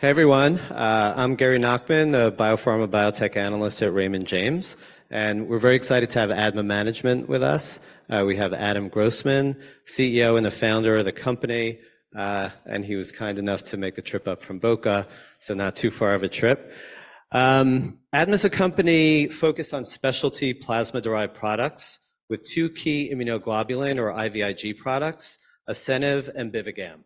Hey everyone, I'm Gary Nachman, a biopharma biotech analyst at Raymond James, and we're very excited to have ADMA Management with us. We have Adam Grossman, CEO and a founder of the company, and he was kind enough to make the trip up from Boca, so not too far of a trip. ADMA is a company focused on specialty plasma-derived products with two key immunoglobulin or IVIg products, ASCENIV and BIVIGAM.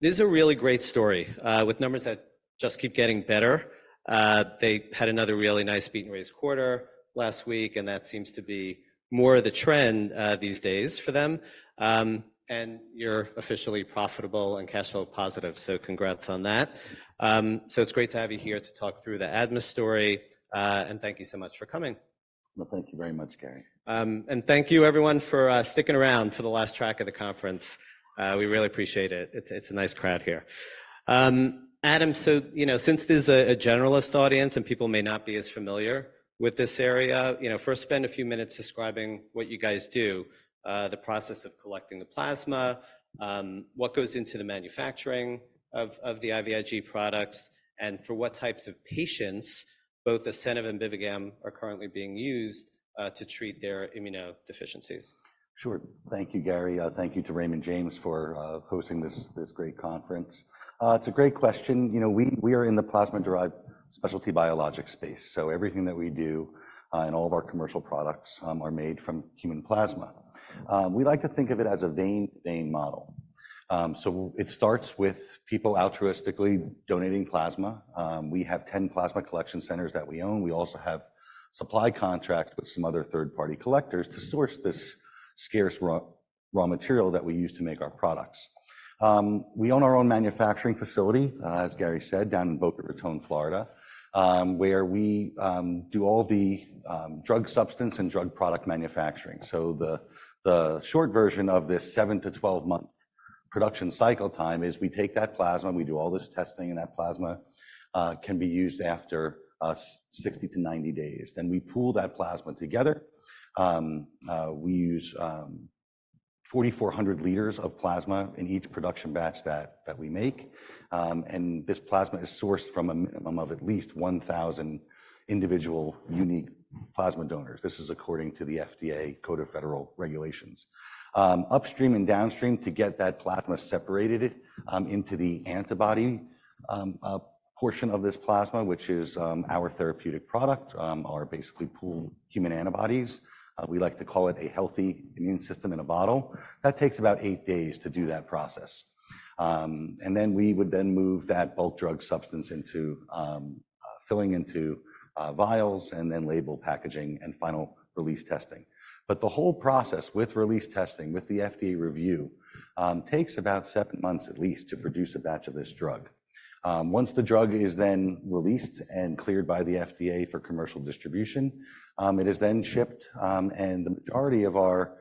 This is a really great story, with numbers that just keep getting better. They had another really nice beat-and-raise quarter last week, and that seems to be more of the trend these days for them. You're officially profitable and cash flow positive, so congrats on that. It's great to have you here to talk through the ADMA story and thank you so much for coming. Well, thank you very much, Gary. And thank you everyone for sticking around for the last track of the conference. We really appreciate it. It's a nice crowd here. Adam, so, you know, since this is a generalist audience and people may not be as familiar with this area, you know, first spend a few minutes describing what you guys do, the process of collecting the plasma, what goes into the manufacturing of the IVIG products, and for what types of patients both ASCENIV and BIVIGAM are currently being used, to treat their immunodeficiencies. Sure. Thank you, Gary. Thank you to Raymond James for hosting this great conference. It's a great question. You know, we are in the plasma-derived specialty biologics space, so everything that we do, and all of our commercial products, are made from human plasma. We like to think of it as a vein-to-vein model. So, it starts with people altruistically donating plasma. We have 10 plasma collection centers that we own. We also have supply contracts with some other third-party collectors to source this scarce raw material that we use to make our products. We own our own manufacturing facility, as Gary said, down in Boca Raton, Florida, where we do all the drug substance and drug product manufacturing. So, the short version of this 7-12-month production cycle time is we take that plasma, we do all this testing, and that plasma can be used after 60-90 days. Then we pool that plasma together. We use 4,400 liters of plasma in each production batch that we make. And this plasma is sourced from a minimum of at least 1,000 individual unique plasma donors. This is according to the FDA Code of Federal Regulations. Upstream and downstream to get that plasma separated into the antibody portion of this plasma, which is our therapeutic product, our basically pooled human antibodies. We like to call it a healthy immune system in a bottle. That takes about 8 days to do that process. And then we would then move that bulk drug substance into filling into vials and then label packaging and final release testing. But the whole process with release testing, with the FDA review, takes about 7 months at least to produce a batch of this drug. Once the drug is then released and cleared by the FDA for commercial distribution, it is then shipped, and the majority of our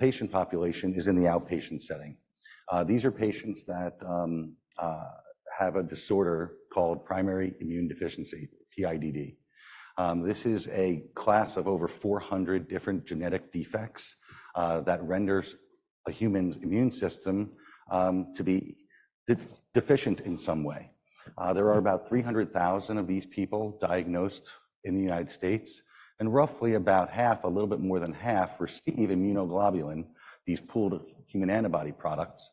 patient population is in the outpatient setting. These are patients that have a disorder called primary immune deficiency, PIDD. This is a class of over 400 different genetic defects that renders a human's immune system to be deficient in some way. There are about 300,000 of these people diagnosed in the United States, and roughly about half, a little bit more than half, receive immunoglobulin, these pooled human antibody products,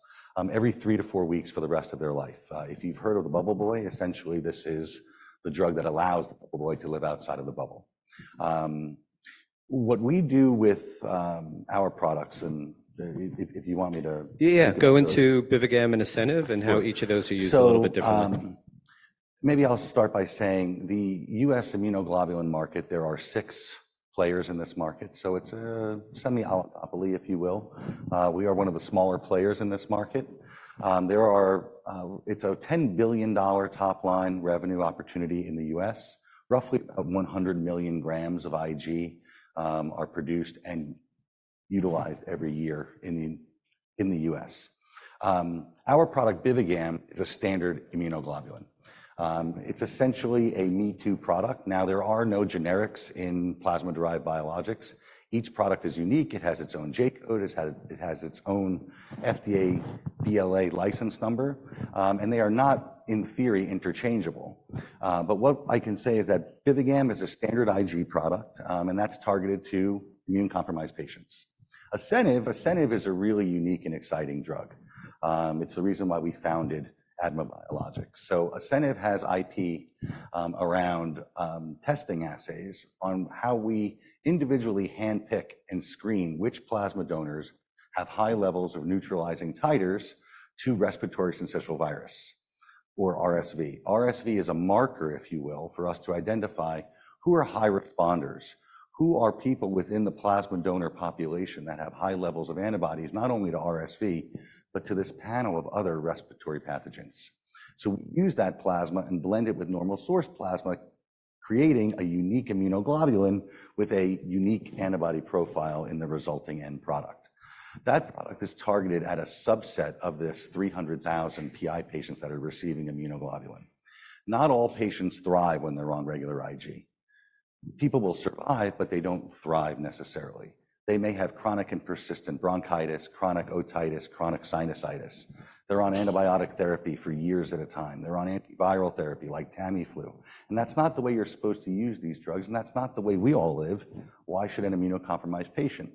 every 3-4 weeks for the rest of their life. If you've heard of the bubble boy, essentially this is the drug that allows the bubble boy to live outside of the bubble. What we do with our products and if you want me to. Yeah, yeah, go into BIVIGAM and ASCENIV and how each of those are used a little bit differently. Maybe I'll start by saying the U.S. immunoglobulin market, there are six players in this market, so it's a semi-oligopoly, if you will. We are one of the smaller players in this market. There are, it's a $10 billion top-line revenue opportunity in the U.S., roughly about 100 million grams of IG are produced and utilized every year in the U.S. Our product BIVIGAM is a standard immunoglobulin. It's essentially a me-too product. Now, there are no generics in plasma-derived biologics. Each product is unique. It has its own J-code. It has its own FDA BLA license number. And they are not, in theory, interchangeable. But what I can say is that BIVIGAM is a standard IG product, and that's targeted to immunocompromised patients. ASCENIV, ASCENIV is a really unique and exciting drug. It's the reason why we founded ADMA Biologics. So, ASCENIV has IP, around, testing assays on how we individually handpick and screen which plasma donors have high levels of neutralizing titers to Respiratory Syncytial Virus, or RSV. RSV is a marker, if you will, for us to identify who are high responders, who are people within the plasma donor population that have high levels of antibodies, not only to RSV, but to this panel of other respiratory pathogens. So, we use that plasma and blend it with normal source plasma, creating a unique immunoglobulin with a unique antibody profile in the resulting end product. That product is targeted at a subset of these 300,000 PI patients that are receiving immunoglobulin. Not all patients thrive when they're on regular IG. People will survive, but they don't thrive necessarily. They may have chronic and persistent bronchitis, chronic otitis, chronic sinusitis. They're on antibiotic therapy for years at a time. They're on antiviral therapy like Tamiflu. And that's not the way you're supposed to use these drugs, and that's not the way we all live. Why should an immunocompromised patient?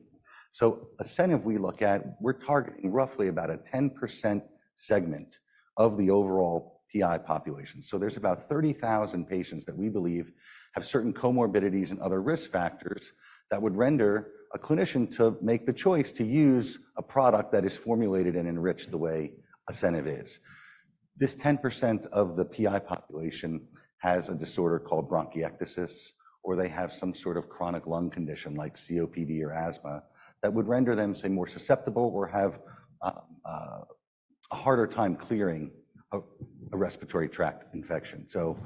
So, ASCENIV, we look at, we're targeting roughly about a 10% segment of the overall PI population. So, there's about 30,000 patients that we believe have certain comorbidities and other risk factors that would render a clinician to make the choice to use a product that is formulated and enriched the way ASCENIV is. This 10% of the PI population has a disorder called bronchiectasis, or they have some sort of chronic lung condition like COPD or asthma that would render them, say, more susceptible or have, a harder time clearing a respiratory tract infection. So,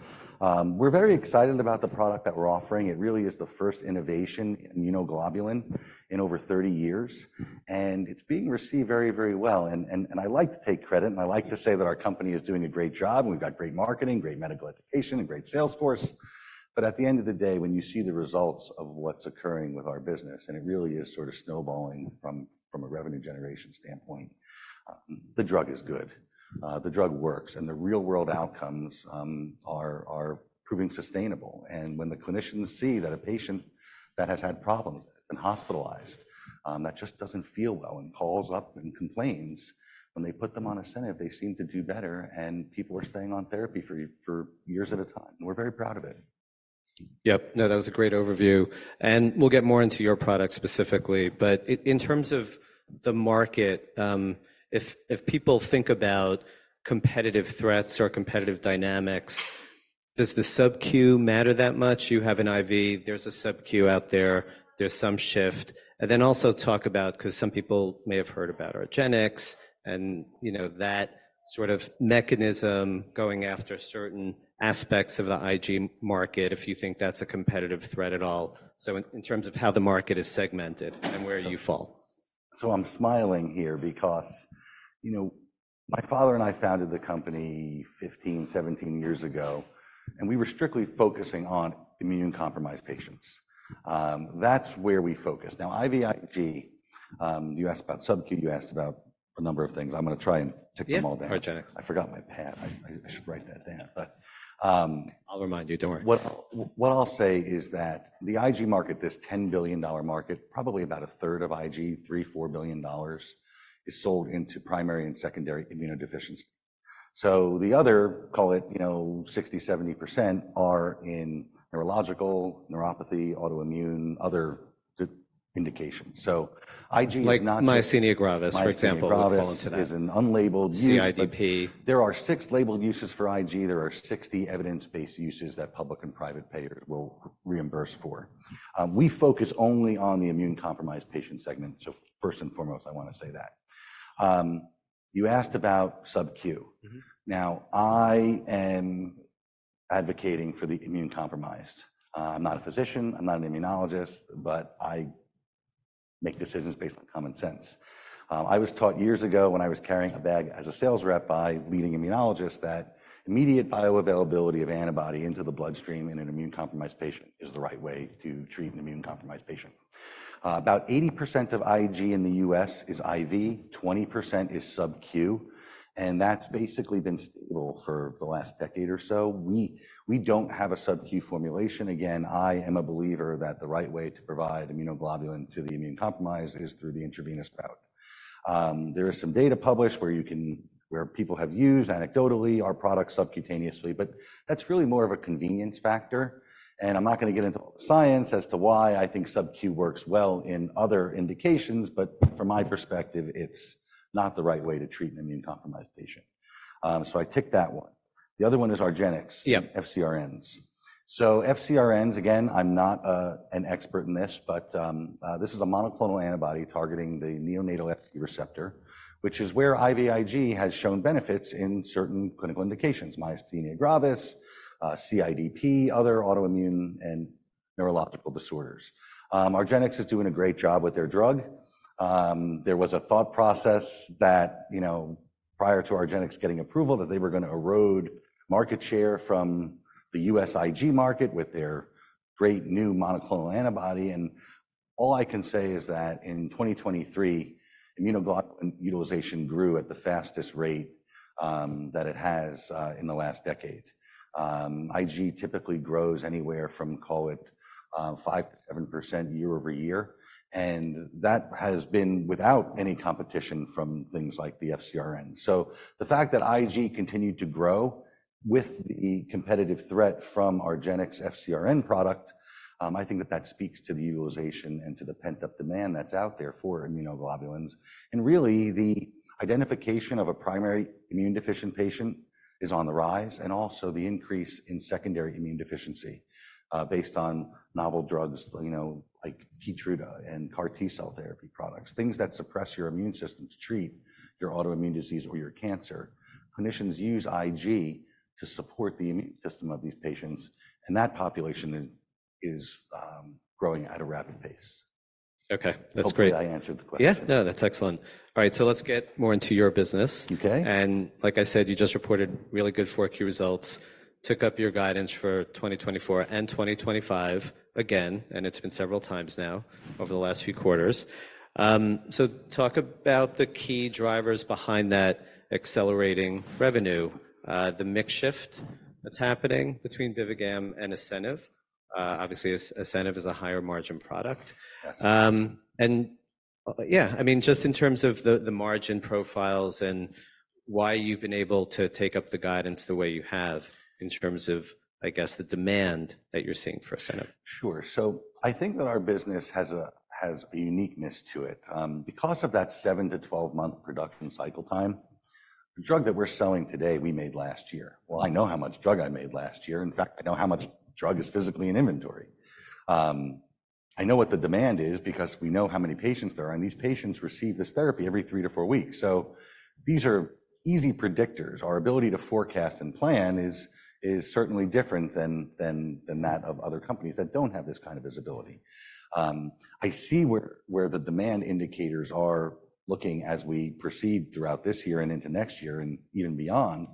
we're very excited about the product that we're offering. It really is the first innovation immunoglobulin in over 30 years, and it's being received very, very well. And I like to take credit, and I like to say that our company is doing a great job, and we've got great marketing, great medical education, and great sales force. But at the end of the day, when you see the results of what's occurring with our business, and it really is sort of snowballing from a revenue generation standpoint, the drug is good. The drug works, and the real-world outcomes are proving sustainable. And when the clinicians see that a patient that has had problems and hospitalized, that just doesn't feel well and calls up and complains, when they put them on ASCENIV, they seem to do better, and people are staying on therapy for years at a time. And we're very proud of it. Yep. No, that was a great overview. And we'll get more into your product specifically, but in terms of the market, if people think about competitive threats or competitive dynamics, does the sub-Q matter that much? You have an IV, there's a sub-Q out there, there's some shift. And then also talk about, because some people may have heard about argenx and, you know, that sort of mechanism going after certain aspects of the IG market, if you think that's a competitive threat at all. So, in terms of how the market is segmented and where you fall. So, I'm smiling here because, you know, my father and I founded the company 15, 17 years ago, and we were strictly focusing on immunocompromised patients. That's where we focused. Now, IVIg, you asked about sub-Q, you asked about a number of things. I'm going to try and tick them all down. Yeah, argenx. I forgot my pad. I should write that down, but. I'll remind you. Don't worry. What I'll say is that the IG market, this $10 billion market, probably about a third of IG, $3-$4 billion, is sold into primary and secondary immunodeficiency. So, the other, call it, you know, 60%-70% are in neurological, neuropathy, autoimmune, other indications. So, IG is not. Like myasthenia gravis, for example, fall into that. Myasthenia gravis is an unlabeled use. CIDP. There are 6 labeled uses for IG. There are 60 evidence-based uses that public and private payers will reimburse for. We focus only on the immunocompromised patient segment. So, first and foremost, I want to say that. You asked about sub-Q. Now, I am advocating for the immunocompromised. I'm not a physician. I'm not an immunologist, but I make decisions based on common sense. I was taught years ago when I was carrying a bag as a sales rep by leading immunologists that immediate bioavailability of antibody into the bloodstream in an immunocompromised patient is the right way to treat an immunocompromised patient. About 80% of IG in the U.S. is IV, 20% is sub-Q, and that's basically been stable for the last decade or so. We don't have a sub-Q formulation. Again, I am a believer that the right way to provide immunoglobulin to the immune-compromised is through the intravenous route. There is some data published where you can, where people have used anecdotally our product subcutaneously, but that's really more of a convenience factor. And I'm not going to get into all the science as to why I think sub-Q works well in other indications, but from my perspective, it's not the right way to treat an immune-compromised patient. So, I tick that one. The other one is argenx, FcRn. So, FcRn, again, I'm not an expert in this, but this is a monoclonal antibody targeting the neonatal Fc receptor, which is where IVIg has shown benefits in certain clinical indications, myasthenia gravis, CIDP, other autoimmune and neurological disorders. Argenx is doing a great job with their drug. There was a thought process that, you know, prior to argenx getting approval, that they were going to erode market share from the U.S. IG market with their great new monoclonal antibody. And all I can say is that in 2023, immunoglobulin utilization grew at the fastest rate, that it has, in the last decade. IG typically grows anywhere from, call it, 5%-7% year-over-year, and that has been without any competition from things like the FcRn. So, the fact that IG continued to grow with the competitive threat from argenx's FcRn product, I think that that speaks to the utilization and to the pent-up demand that's out there for immunoglobulins. Really, the identification of a primary immune-deficient patient is on the rise and also the increase in secondary immune deficiency, based on novel drugs, you know, like Keytruda and CAR T-cell therapy products, things that suppress your immune system to treat your autoimmune disease or your cancer. Clinicians use IG to support the immune system of these patients, and that population is growing at a rapid pace. Okay, that's great. Hopefully I answered the question. Yeah, no, that's excellent. All right, so let's get more into your business. Okay. And like I said, you just reported really good Q4 results, took up your guidance for 2024 and 2025 again, and it's been several times now over the last few quarters. So, talk about the key drivers behind that accelerating revenue, the mix shift that's happening between BIVIGAM and ASCENIV. Obviously, ASCENIV is a higher margin product. And yeah, I mean, just in terms of the margin profiles and why you've been able to take up the guidance the way you have in terms of, I guess, the demand that you're seeing for ASCENIV. Sure. So, I think that our business has a uniqueness to it. Because of that 7-12-month production cycle time, the drug that we're selling today, we made last year. Well, I know how much drug I made last year. In fact, I know how much drug is physically in inventory. I know what the demand is because we know how many patients there are, and these patients receive this therapy every 3-4 weeks. So, these are easy predictors. Our ability to forecast and plan is certainly different than that of other companies that don't have this kind of visibility. I see where the demand indicators are looking as we proceed throughout this year and into next year and even beyond.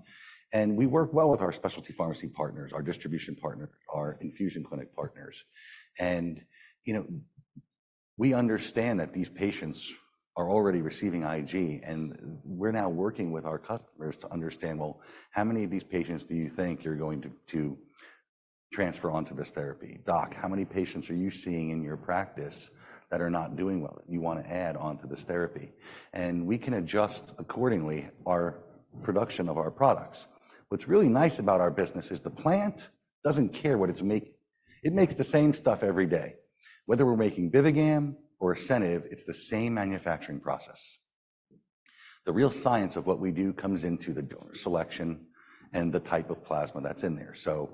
And we work well with our specialty pharmacy partners, our distribution partners, our infusion clinic partners. And, you know, we understand that these patients are already receiving IG, and we're now working with our customers to understand, well, how many of these patients do you think you're going to transfer onto this therapy? Doc, how many patients are you seeing in your practice that are not doing well that you want to add onto this therapy? And we can adjust accordingly our production of our products. What's really nice about our business is the plant doesn't care what it's making. It makes the same stuff every day. Whether we're making BIVIGAM or ASCENIV, it's the same manufacturing process. The real science of what we do comes into the selection and the type of plasma that's in there. So,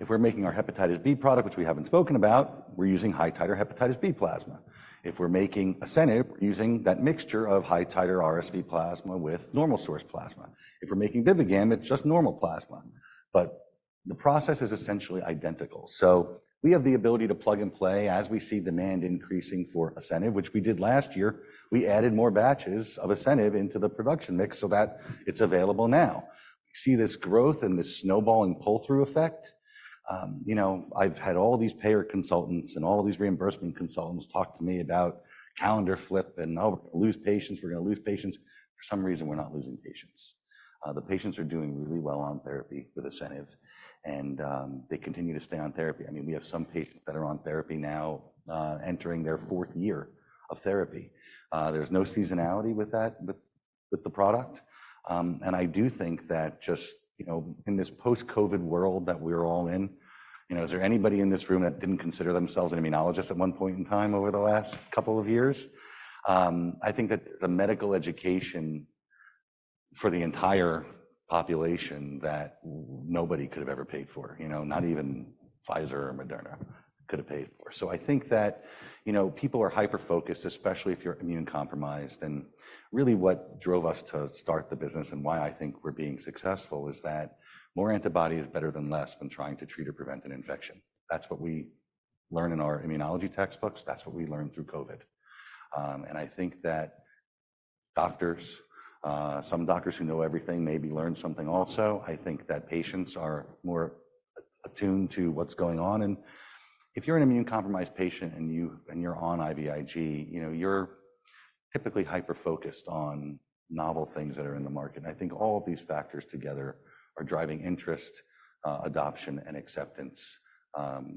if we're making our Hepatitis B product, which we haven't spoken about, we're using high-titer Hepatitis B plasma. If we're making ASCENIV, we're using that mixture of high-titer RSV plasma with normal source plasma. If we're making BIVIGAM, it's just normal plasma. But the process is essentially identical. So, we have the ability to plug and play as we see demand increasing for ASCENIV, which we did last year. We added more batches of ASCENIV into the production mix so that it's available now. We see this growth and this snowballing pull-through effect. You know, I've had all these payer consultants, and all these reimbursement consultants talk to me about calendar flip and, oh, we're going to lose patients, we're going to lose patients. For some reason, we're not losing patients. The patients are doing really well on therapy with ASCENIV, and they continue to stay on therapy. I mean, we have some patients that are on therapy now, entering their fourth year of therapy. There's no seasonality with that, with the product. And I do think that just, you know, in this post-COVID world that we're all in, you know, is there anybody in this room that didn't consider themselves an immunologist at one point in time over the last couple of years? I think that the medical education for the entire population that nobody could have ever paid for, you know, not even Pfizer or Moderna could have paid for. So, I think that, you know, people are hyper-focused, especially if you're immunocompromised. And really what drove us to start the business and why I think we're being successful is that more antibody is better than less than trying to treat or prevent an infection. That's what we learn in our immunology textbooks. That's what we learned through COVID. And I think that doctors, some doctors who know everything maybe learn something also. I think that patients are more attuned to what's going on. And if you're an immunocompromised patient and you're on IVIg, you know, you're typically hyper-focused on novel things that are in the market. And I think all of these factors together are driving interest, adoption, and acceptance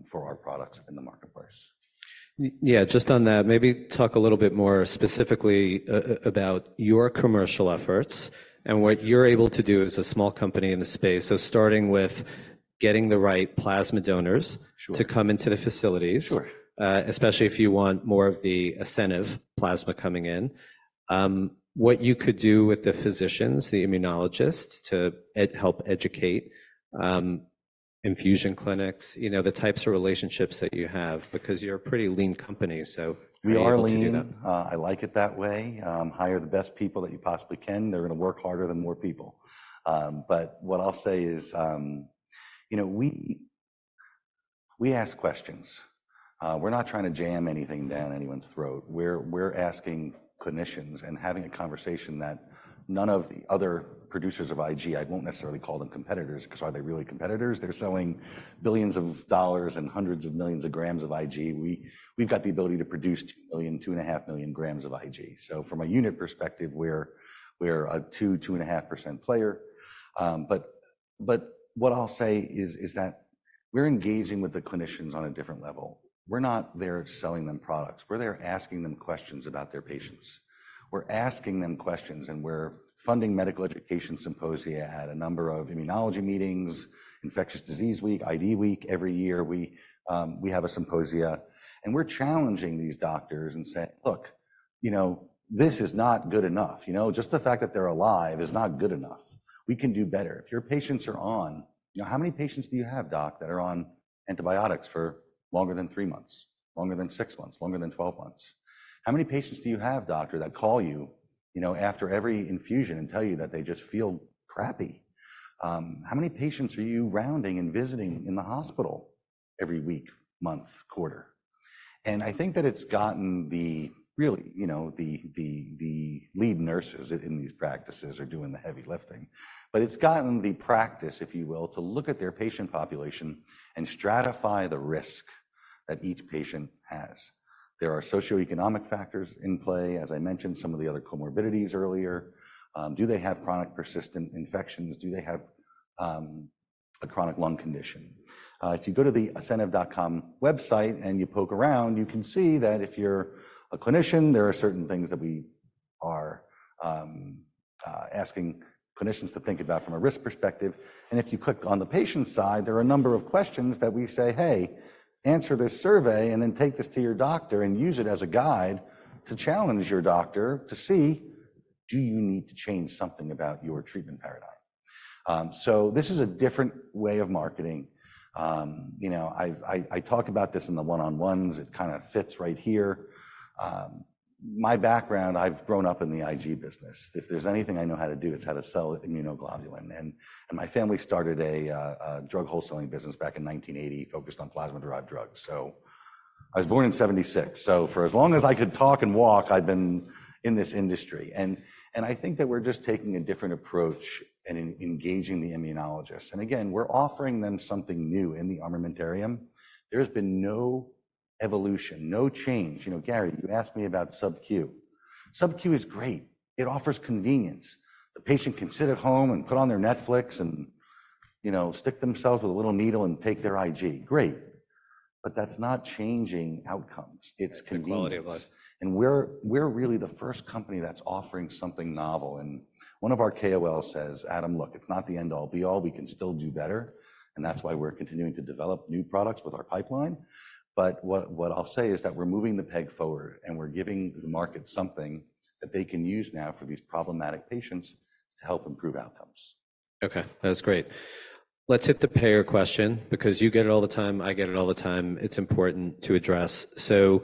for our products in the marketplace. Yeah, just on that, maybe talk a little bit more specifically about your commercial efforts and what you're able to do as a small company in the space. So, starting with getting the right plasma donors to come into the facilities, especially if you want more of the ASCENIV plasma coming in. What you could do with the physicians, the immunologists, to help educate infusion clinics, you know, the types of relationships that you have, because you're a pretty lean company. So, we are lean. I like it that way. Hire the best people that you possibly can. They're going to work harder than more people. But what I'll say is, you know, we ask questions. We're not trying to jam anything down anyone's throat. We're asking clinicians and having a conversation that none of the other producers of IG, I won't necessarily call them competitors, because are they really competitors? They're selling billions of dollars and hundreds of millions of grams of IG. We've got the ability to produce 2 million, 2.5 million grams of IG. So, from a unit perspective, we're a 2%-2.5% player. But what I'll say is that we're engaging with the clinicians on a different level. We're not there selling them products. We're there asking them questions about their patients. We're asking them questions and we're funding medical education symposia at a number of immunology meetings, Infectious Diseases Week, IDWeek every year. We have a symposium. We're challenging these doctors and saying, look, you know, this is not good enough. You know, just the fact that they're alive is not good enough. We can do better. If your patients are on, you know, how many patients do you have, Doc, that are on antibiotics for longer than 3 months, longer than 6 months, longer than 12 months? How many patients do you have, Doctor, that call you, you know, after every infusion and tell you that they just feel crappy? How many patients are you rounding and visiting in the hospital every week, month, quarter? I think that it's gotten really, you know, the lead nurses in these practices are doing the heavy lifting, but it's gotten the practice, if you will, to look at their patient population and stratify the risk that each patient has. There are socioeconomic factors in play, as I mentioned, some of the other comorbidities earlier. Do they have chronic persistent infections? Do they have a chronic lung condition? If you go to the Asceniv.com website and you poke around, you can see that if you're a clinician, there are certain things that we are asking clinicians to think about from a risk perspective. And if you click on the patient side, there are a number of questions that we say, hey, answer this survey and then take this to your doctor and use it as a guide to challenge your doctor to see, do you need to change something about your treatment paradigm? So, this is a different way of marketing. You know, I talk about this in the one-on-ones. It kind of fits right here. My background, I've grown up in the IG business. If there's anything I know how to do, it's how to sell immunoglobulin. And my family started a drug wholesaling business back in 1980 focused on plasma-derived drugs. So, I was born in 1976. So, for as long as I could talk and walk, I'd been in this industry. And I think that we're just taking a different approach and engaging the immunologists. And again, we're offering them something new in the armamentarium. There has been no evolution, no change. You know, Gary, you asked me about Sub-Q. Sub-Q is great. It offers convenience. The patient can sit at home and put on their Netflix and, you know, stick themselves with a little needle and take their IG. Great. But that's not changing outcomes. It's convenience. And we're really the first company that's offering something novel. And one of our KOLs says, Adam, look, it's not the end all be all. We can still do better. And that's why we're continuing to develop new products with our pipeline. But what I'll say is that we're moving the peg forward and we're giving the market something that they can use now for these problematic patients to help improve outcomes. Okay, that's great. Let's hit the payer question because you get it all the time, I get it all the time. It's important to address. So,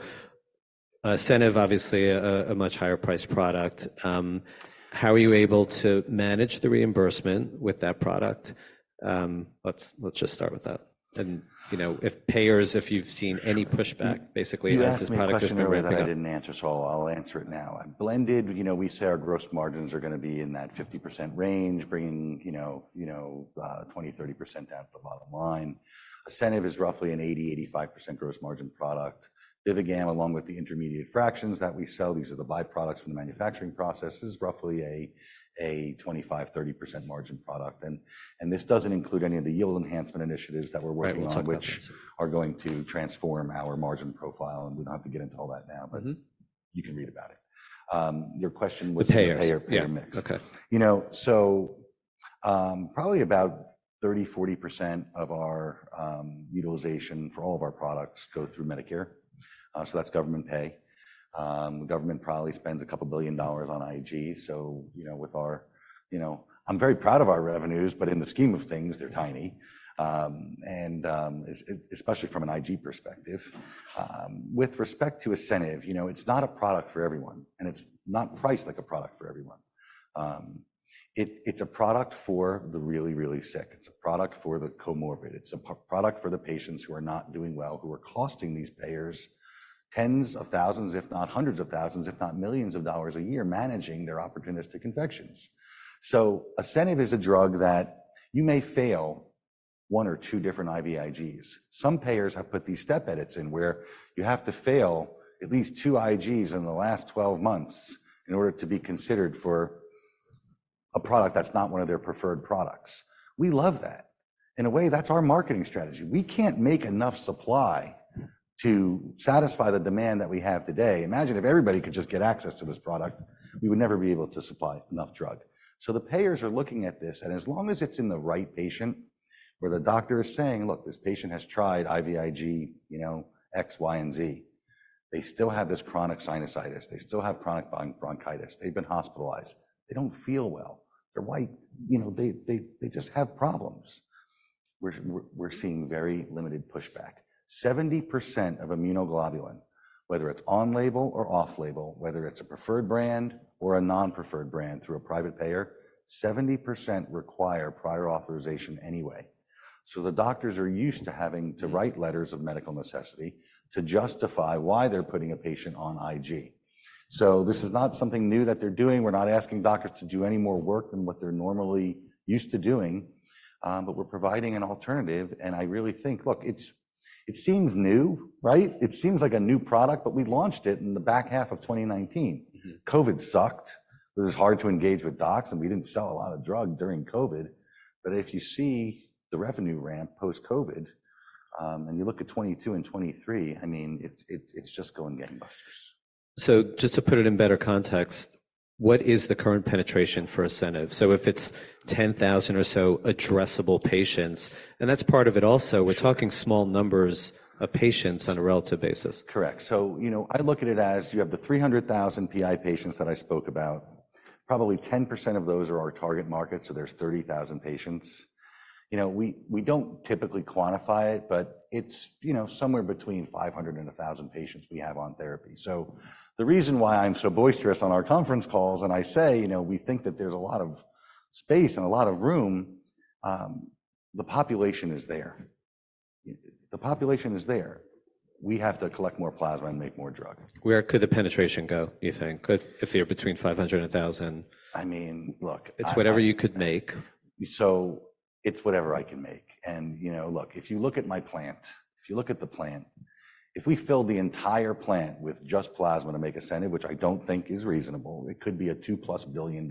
ASCENIV, obviously a much higher priced product. How are you able to manage the reimbursement with that product? Let's just start with that. And, you know, if payers, if you've seen any pushback, basically as this product has been ramping up. I didn't answer it, so, I'll answer it now. I've blended, you know, we say our gross margins are going to be in that 50% range, bringing, you know, you know, 20%-30% down to the bottom line. ASCENIV is roughly an 80%-85% gross margin product. BIVIGAM, along with the intermediate fractions that we sell, these are the byproducts from the manufacturing process, is roughly a 25%-30% margin product. And this doesn't include any of the yield enhancement initiatives that we're working on, which are going to transform our margin profile. And we don't have to get into all that now, but you can read about it. Your question with the payer mix. You know, so, probably about 30%-40% of our utilization for all of our products go through Medicare. So that's government pay. The government probably spends $2 billion on IG. So, you know, with our, you know, I'm very proud of our revenues, but in the scheme of things, they're tiny. And especially from an IG perspective. With respect to ASCENIV, you know, it's not a product for everyone. And it's not priced like a product for everyone. It's a product for the really, really sick. It's a product for the comorbid. It's a product for the patients who are not doing well, who are costing these payers tens of thousands, if not hundreds of thousands, if not millions of dollars a year managing their opportunistic infections. So, ASCENIV is a drug that you may fail one or two different IVIGs. Some payers have put these step edits in where you have to fail at least two IGs in the last 12 months in order to be considered for a product that's not one of their preferred products. We love that. In a way, that's our marketing strategy. We can't make enough supply to satisfy the demand that we have today. Imagine if everybody could just get access to this product, we would never be able to supply enough drug. So, the payers are looking at this and as long as it's in the right patient where the doctor is saying, look, this patient has tried IVIg, you know, X, Y, and Z. They still have this chronic sinusitis. They still have chronic bronchitis. They've been hospitalized. They don't feel well. They're white, you know, they just have problems. We're seeing very limited pushback. 70% of immunoglobulin, whether it's on label or off label, whether it's a preferred brand or a non-preferred brand through a private payer, 70% require prior authorization anyway. So, the doctors are used to having to write letters of medical necessity to justify why they're putting a patient on IG. So, this is not something new that they're doing. We're not asking doctors to do any more work than what they're normally used to doing. But we're providing an alternative. And I really think, look, it seems new, right? It seems like a new product, but we launched it in the back half of 2019. COVID sucked. It was hard to engage with docs, and we didn't sell a lot of drugs during COVID. But if you see the revenue ramp post-COVID and you look at 2022 and 2023, I mean, it's just going gangbusters. Just to put it in better context, what is the current penetration for ASCENIV? So if it's 10,000 or so addressable patients, and that's part of it also, we're talking small numbers of patients on a relative basis. Correct. So, you know, I look at it as you have the 300,000 PI patients that I spoke about. Probably 10% of those are our target market. So, there's 30,000 patients. You know, we don't typically quantify it, but it's, you know, somewhere between 500 and 1,000 patients we have on therapy. So, the reason why I'm so boisterous on our conference calls and I say, you know, we think that there's a lot of space and a lot of room. The population is there. The population is there. We have to collect more plasma and make more drug. Where could the penetration go, do you think? If they're between 500 and 1,000. I mean, look. It's whatever you could make. So, it's whatever I can make. And, you know, look, if you look at my plant, if you look at the plant, if we fill the entire plant with just plasma to make ASCENIV, which I don't think is reasonable, it could be a $2+ billion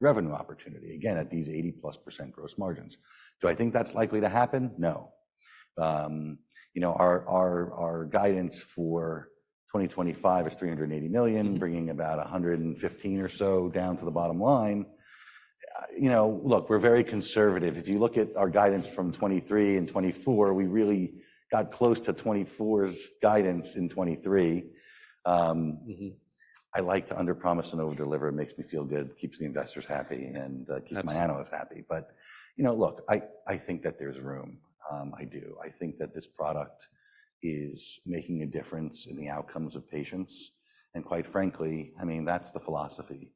revenue opportunity. Again, at these 80+% gross margins. Do I think that's likely to happen? No. You know, look, we're very conservative. If you look at our guidance from 2023 and 2024, we really got close to 2024's guidance in 2023. I like to under promise and overdeliver. It makes me feel good. Keeps the investors happy and keeps my analysts happy. But, you know, look, I think that there's room. I do. I think that this product is making a difference in the outcomes of patients. And quite frankly, I mean, that's the philosophy.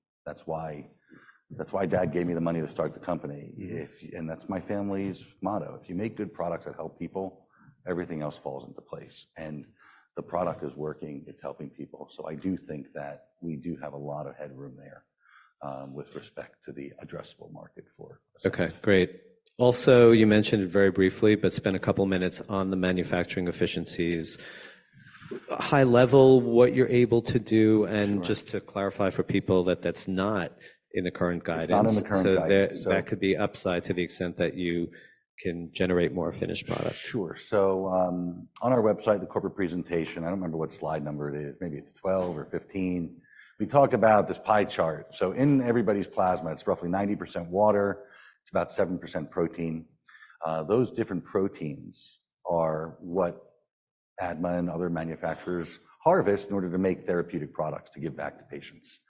That's why Dad gave me the money to start the company. And that's my family's motto. If you make good products that help people, everything else falls into place. And the product is working. It's helping people. So, I do think that we do have a lot of headroom there with respect to the addressable market for ASCENIV. Okay, great. Also, you mentioned it very briefly, but spend a couple of minutes on the manufacturing efficiencies. High level, what you're able to do and just to clarify for people that that's not in the current guidance. So that could be upside to the extent that you can generate more finished product. Sure. So, on our website, the corporate presentation, I don't remember what slide number it is. Maybe it's 12 or 15. We talk about this pie chart. So, in everybody's plasma, it's roughly 90% water. It's about 7% protein. Those different proteins are what ADMA and other manufacturers harvest in order to make therapeutic products to give back to patients.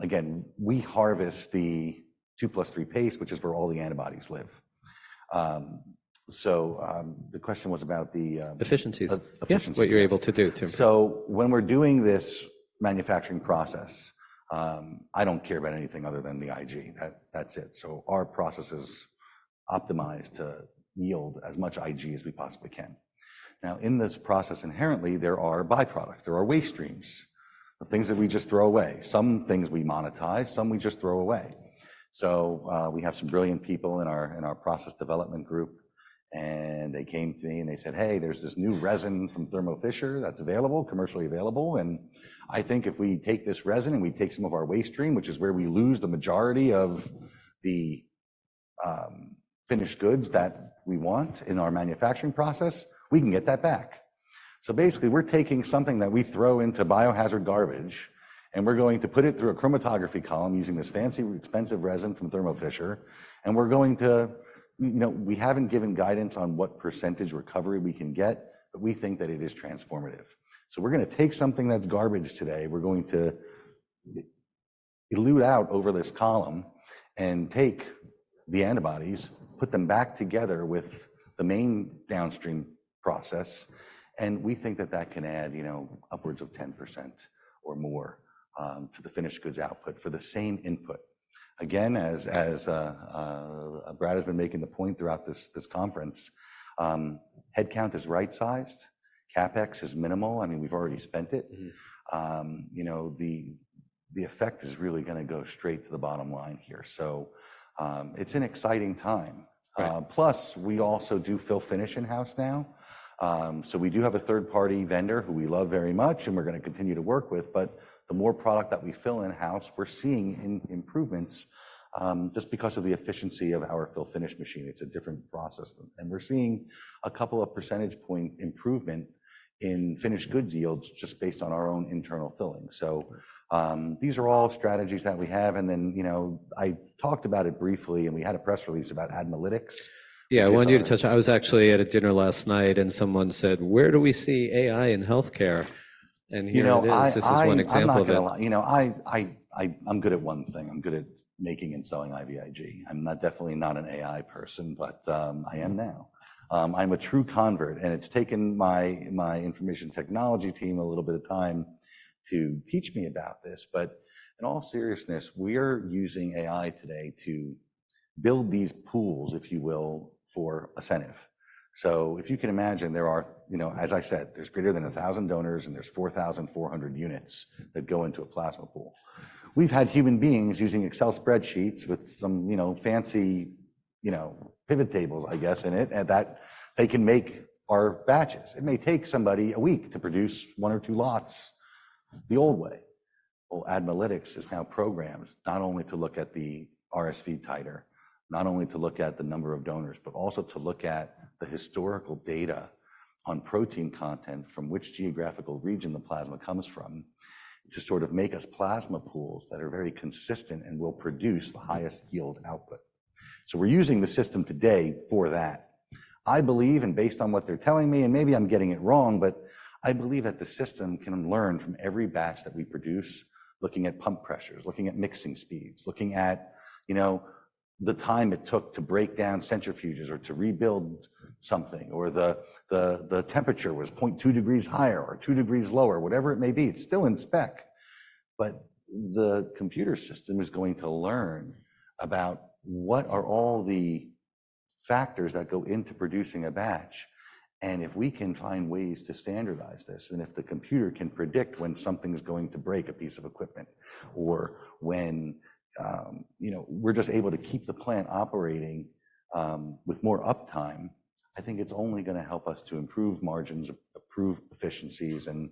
Again, we harvest the II+III paste, which is where all the antibodies live. So, the question was about the. Efficiencies. What you're able to do. When we're doing this manufacturing process, I don't care about anything other than the IG. That's it. Our process is optimized to yield as much IG as we possibly can. Now, in this process, inherently, there are byproducts. There are waste streams. The things that we just throw away. Some things we monetize, some we just throw away. We have some brilliant people in our process development group. They came to me and they said, hey, there's this new resin from Thermo Fisher that's available, commercially available. I think if we take this resin and we take some of our waste stream, which is where we lose the majority of the finished goods that we want in our manufacturing process, we can get that back. Basically, we're taking something that we throw into biohazard garbage. And we're going to put it through a chromatography column using this fancy, expensive resin from Thermo Fisher. And we're going to, you know, we haven't given guidance on what percentage recovery we can get, but we think that it is transformative. So, we're going to take something that's garbage today. We're going to elute out over this column and take the antibodies, put them back together with the main downstream process. And we think that that can add, you know, upwards of 10% or more to the finished goods output for the same input. Again, as Brad has been making the point throughout this conference, headcount is right-sized. CapEx is minimal. I mean, we've already spent it. You know, the effect is really going to go straight to the bottom line here. So, it's an exciting time. Plus, we also do fill-finish in-house now. So, we do have a third-party vendor who we love very much and we're going to continue to work with, but the more product that we fill in-house, we're seeing improvements just because of the efficiency of our fill-finish machine. It's a different process. And we're seeing a couple of percentage point improvement in finished goods yields just based on our own internal filling. So, these are all strategies that we have. And then, you know, I talked about it briefly and we had a press release about ADMAlytics. Yeah, I wanted you to touch on. I was actually at a dinner last night and someone said, "Where do we see AI in healthcare?" And here this is one example of it. You know, I'm good at one thing. I'm good at making and selling IVIg. I'm definitely not an AI person, but I am now. I'm a true convert, and it's taken my information technology team a little bit of time to teach me about this, but in all seriousness, we are using AI today to build these pools, if you will, for ASCENIV. So, if you can imagine, there are, you know, as I said, there's greater than 1,000 donors and there's 4,400 units that go into a plasma pool. We've had human beings using Excel spreadsheets with some, you know, fancy, you know, pivot tables, I guess, in it that they can make our batches. It may take somebody a week to produce one or two lots the old way. Well, ADMAlytics is now programmed not only to look at the RSV titer, not only to look at the number of donors, but also to look at the historical data on protein content from which geographical region the plasma comes from. To sort of make us plasma pools that are very consistent and will produce the highest yield output. So, we're using the system today for that. I believe, and based on what they're telling me, and maybe I'm getting it wrong, but I believe that the system can learn from every batch that we produce, looking at pump pressures, looking at mixing speeds, looking at, you know, the time it took to break down centrifuges or to rebuild something, or the temperature was 0.2 degrees higher or 2 degrees lower, whatever it may be, it's still in spec. But the computer system is going to learn about what are all the factors that go into producing a batch. And if we can find ways to standardize this, and if the computer can predict when something's going to break a piece of equipment, or when, you know, we're just able to keep the plant operating with more uptime, I think it's only going to help us to improve margins, improve efficiencies, and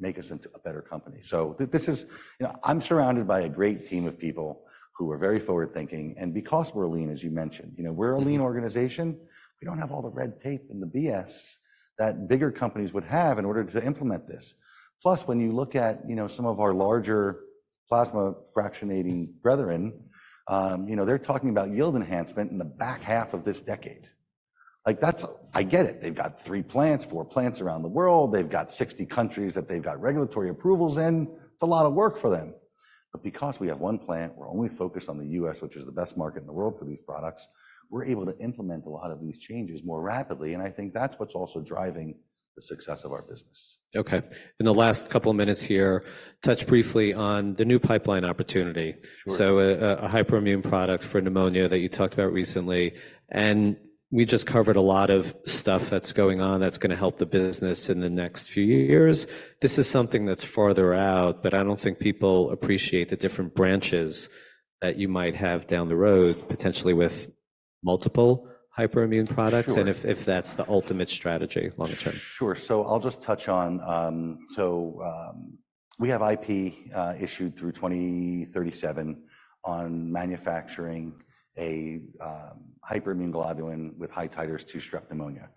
make us into a better company. So, this is, you know, I'm surrounded by a great team of people who are very forward-thinking and because we're lean, as you mentioned, you know, we're a lean organization. We don't have all the red tape and the BS that bigger companies would have in order to implement this. Plus, when you look at, you know, some of our larger plasma fractionating brethren, you know, they're talking about yield enhancement in the back half of this decade. Like that's, I get it. They've got three plants, four plants around the world. They've got 60 countries that they've got regulatory approvals in. It's a lot of work for them. But because we have one plant, we're only focused on the U.S., which is the best market in the world for these products. We're able to implement a lot of these changes more rapidly. And I think that's what's also driving the success of our business. Okay. In the last couple of minutes here, touch briefly on the new pipeline opportunity. So, a hyperimmune product for pneumonia that you talked about recently. And we just covered a lot of stuff that's going to help the business in the next few years. This is something that's farther out, but I don't think people appreciate the different branches that you might have down the road, potentially with multiple hyperimmune products and if that's the ultimate strategy long term. Sure. So, I'll just touch on, so, we have IP issued through 2037 on manufacturing a hyperimmune globulin with high titers to Strep pneumoniae.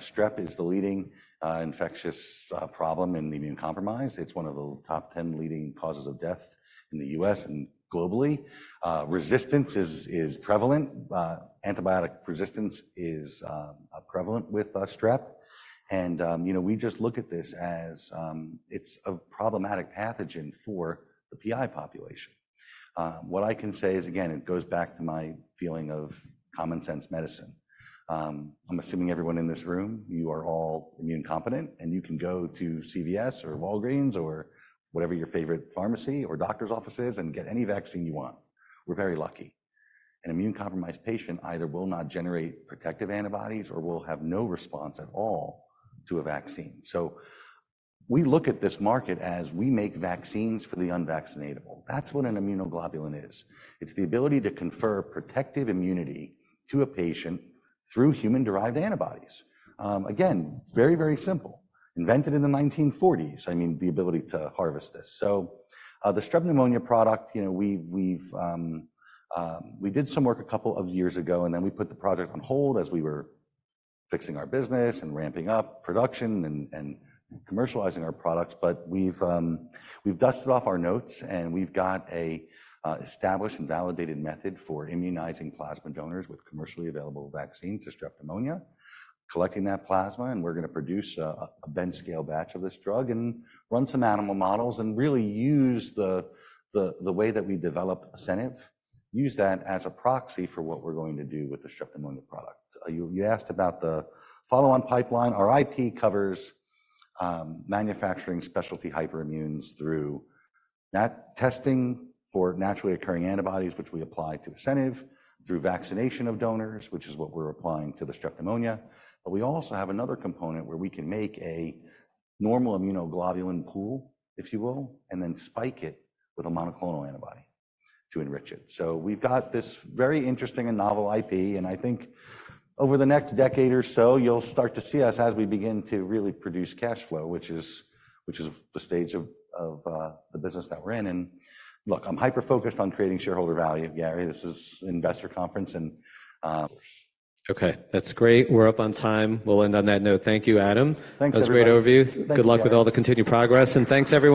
Strep is the leading infectious problem and the immunocompromised. It's one of the top 10 leading causes of death in the U.S. and globally. Resistance is prevalent. Antibiotic resistance is prevalent with strep. And, you know, we just look at this as it's a problematic pathogen for the PI population. What I can say is, again, it goes back to my feeling of common-sense medicine. I'm assuming everyone in this room, you are all immunocompetent and you can go to CVS or Walgreens or whatever your favorite pharmacy or doctor's offices and get any vaccine you want. We're very lucky. An immunocompromised patient either will not generate protective antibodies or will have no response at all to a vaccine. So, we look at this market as we make vaccines for the un-vaccinatable. That's what an immunoglobulin is. It's the ability to confer protective immunity to a patient through human-derived antibodies. Again, very, very simple. Invented in the 1940s, I mean, the ability to harvest this. So, the Strep pneumoniae product, you know, we did some work a couple of years ago and then we put the project on hold as we were fixing our business and ramping up production and commercializing our products, but we've dusted off our notes and we've got an established and validated method for immunizing plasma donors with commercially available vaccine to Strep pneumoniae. Collecting that plasma and we're going to produce a bench-scale batch of this drug and run some animal models and really use the way that we develop ASCENIV. Use that as a proxy for what we're going to do with the Strep pneumoniae product. You asked about the follow-on pipeline. Our IP covers manufacturing specialty hyperimmune through testing for naturally occurring antibodies, which we apply to ASCENIV through vaccination of donors, which is what we're applying to the Strep pneumoniae. But we also have another component where we can make a normal immunoglobulin pool, if you will, and then spike it with a monoclonal antibody to enrich it. So, we've got this very interesting and novel IP, and I think over the next decade or so, you'll start to see us as we begin to really produce cash flow, which is the stage of the business that we're in. Look, I'm hyper-focused on creating shareholder value. Gary, this is an investor conference and. Okay, that's great. We're up on time. We'll end on that note. Thank you, Adam. That was a great overview. Good luck with all the continued progress and thanks everyone.